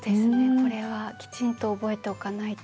これはきちんと覚えておかないと。